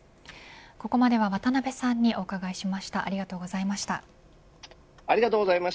ここまでは渡辺さんにお伺いしま